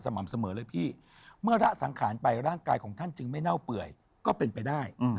่ำเสมอเลยพี่เมื่อละสังขารไปร่างกายของท่านจึงไม่เน่าเปื่อยก็เป็นไปได้